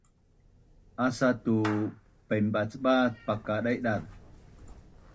Asa tu painbacbac pakadaidaz